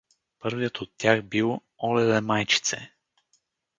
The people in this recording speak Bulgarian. Първият от тях бил „Олеле, майчице!“